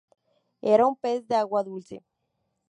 Era un pez de agua dulce.